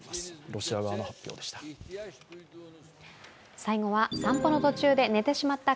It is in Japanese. ロシア側の発表でした。